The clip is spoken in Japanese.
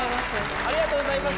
ありがとうございます。